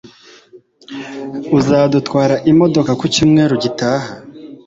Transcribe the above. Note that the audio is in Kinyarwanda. Uzadutwara imodoka ku cyumweru gitaha?